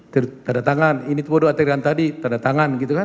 tanda tangan ini foto adegan tadi tanda tangan gitu kan